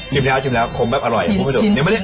จิบแล้วจิบแล้วขมแบบอร่อย